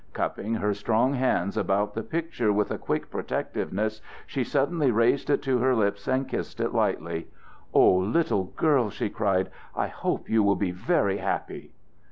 Cupping her strong hands about the picture with a quick protectiveness, she suddenly raised it to her lips, and kissed it lightly. "O little girl!" she cried. "I hope you will be very happy!"